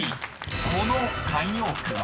［この慣用句は？］